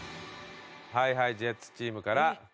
ＨｉＨｉＪｅｔｓチームからお願いします！